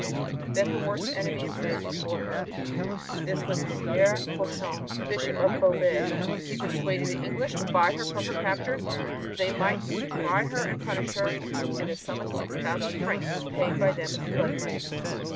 Then her worst enemy appeared before her. This was Pierre Cauchon, the Bishop of Beauvais. He persuaded the English to buy her from her captors so that they might try her and punish her, and the sum of six thousand francs was paid by them as blood money.